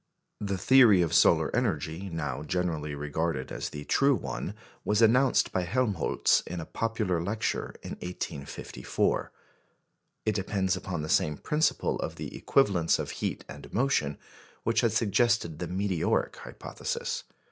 The theory of solar energy now generally regarded as the true one was enounced by Helmholtz in a popular lecture in 1854. It depends upon the same principle of the equivalence of heat and motion which had suggested the meteoric hypothesis.